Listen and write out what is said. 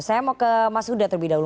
saya mau ke mas huda terlebih dahulu